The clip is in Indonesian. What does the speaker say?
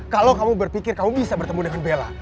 kalau kamu berpikir kamu bisa bertemu dengan bella